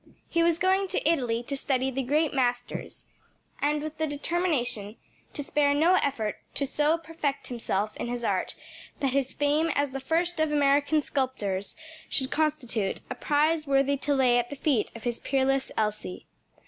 He was going to Italy to study the great masters, and with the determination to spare no effort to so perfect himself in his art that his fame as the first of American sculptors should constitute a prize worthy to lay at the feet of his peerless Elsie.